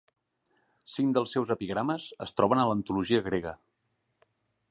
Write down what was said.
Cinc dels seus epigrames es troben a l'antologia grega.